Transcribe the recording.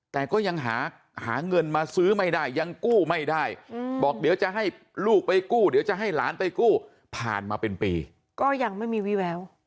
แต่ก็ยังหาเงินมาซื้อไม่ได้ยังกู้ไม่ได้บอกเดี๋ยวจะให้ลูกไปกู้เดี๋ยวจะให้หลานไปกู้ผ่านมาเป็นปีก็ยังไม่มีวิแวว